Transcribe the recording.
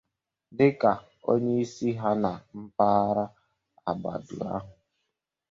dịka onyeisi ha na mpaghara Agbado ahụ